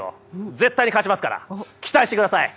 絶対に勝ちますから期待してください！